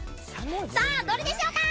さあどれでしょうか！